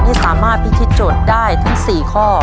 ให้สามารถพิธีโจทย์ได้ทั้ง๔ข้อ